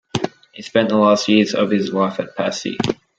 He spent the last years of his life at Passy.